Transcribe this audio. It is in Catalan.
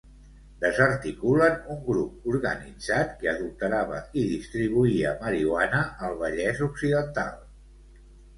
Desarticulen un grup organitzat que adulterava i distribuïa marihuana al Vallès Occidental.